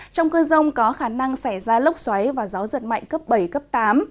trong cơn rông có khả năng xảy ra lốc xoáy và gió giật mạnh cấp bảy cấp tám